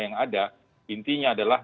yang ada intinya adalah